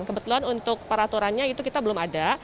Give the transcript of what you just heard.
kebetulan untuk peraturannya itu kita belum ada